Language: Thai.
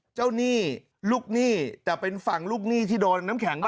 หนี้ลูกหนี้แต่เป็นฝั่งลูกหนี้ที่โดนน้ำแข็ง